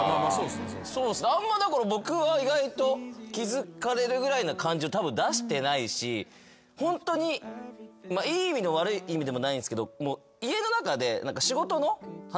あんまだから僕は意外と気付かれるぐらいな感じをたぶん出してないしホントにいい意味でも悪い意味でもないんすけど。